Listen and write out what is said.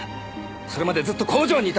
それまでずっと工場にいた！